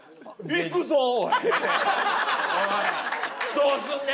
どうすんねん？